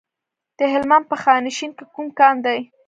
د هلمند په خانشین کې کوم کان دی؟